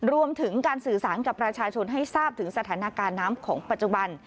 รวมถึงการสื่อสารกับประชาชนให้ทราบถึงสถานการณ์น้ำของปัจจุบัน